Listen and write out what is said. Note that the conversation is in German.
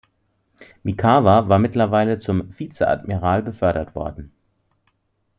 Mikawa war mittlerweile zum Vizeadmiral befördert worden.